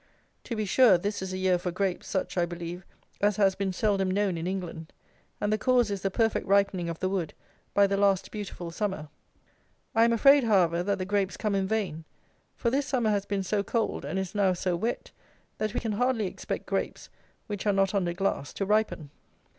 To be sure, this is a year for grapes, such, I believe, as has been seldom known in England, and the cause is the perfect ripening of the wood by the last beautiful summer. I am afraid, however, that the grapes come in vain; for this summer has been so cold, and is now so wet, that we can hardly expect grapes which are not under glass to ripen.